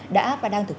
đã và đang thực hiện